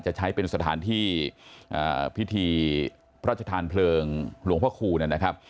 จะใช้เป็นสถานที่พิธีพระชธานเพลิงหลวงพ่อคูณนะครับ